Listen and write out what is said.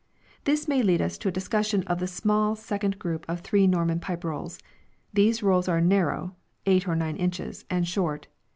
This may lead us to a discussion of the small second group of three Norman Pipe Rolls. 3 These rolls are narrow (8 or 9 inches) and short.